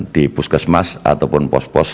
di puskesmas ataupun pos pos